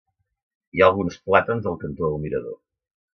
Hi ha alguns plàtans al cantó del mirador.